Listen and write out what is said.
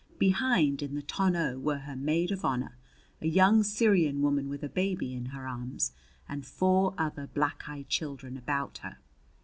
Behind in the tonneau were her maid of honor, a young Syrian woman with a baby in her arms and four other black eyed children about her.